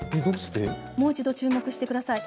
もう一度、注目してください。